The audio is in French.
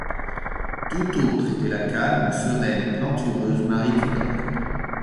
Tout autre était la calme, sereine et plantureuse Marie Tudor.